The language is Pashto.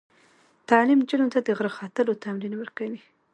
تعلیم نجونو ته د غره ختلو تمرین ورکوي.